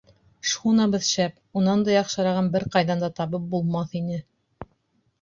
Шхунабыҙ шәп, унан да яҡшырағын бер ҡайҙан да табып булмаҫ ине.